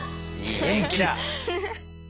元気だ。